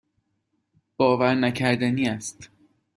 باورنکردنی است.